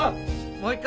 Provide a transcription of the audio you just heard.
もう１回。